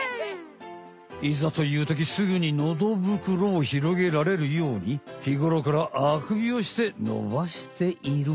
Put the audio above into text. いざというときすぐにのど袋を広げられるようにひごろからあくびをして伸ばしている。